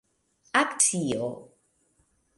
akcio